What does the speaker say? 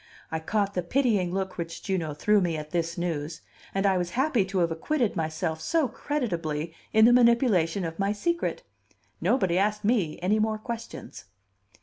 I caught the pitying look which Juno threw at me at this news, and I was happy to have acquitted myself so creditably in the manipulation of my secret: nobody asked me any more questions!